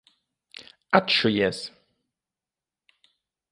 Atšujies!